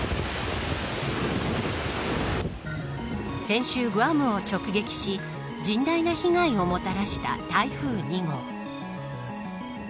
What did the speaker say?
先週グアムを直撃し甚大な被害をもたらした台風２号。